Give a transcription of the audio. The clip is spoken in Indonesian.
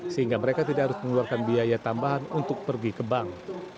sehingga mereka tidak harus mengeluarkan biaya tambahan untuk pergi ke bank